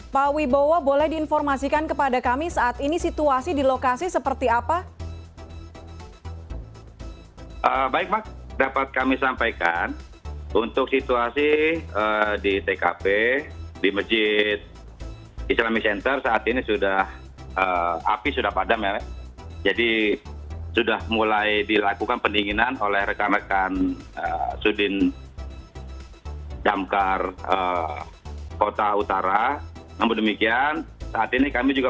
pak wibowo boleh diinformasikan kepada kami saat ini situasi di lokasi seperti apa